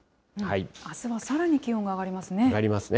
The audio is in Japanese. あすはさらに気温が上がりますね。